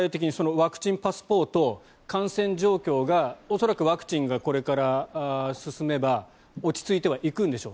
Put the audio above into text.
ワクチンパスポート、感染状況が恐らくワクチンがこれから進めば落ち着いてはいくんでしょう。